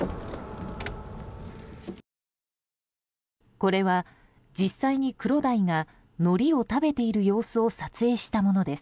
これは、実際にクロダイがのりを食べている様子を撮影したものです。